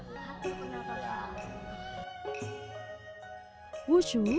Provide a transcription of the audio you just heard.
sama atau penapasan aja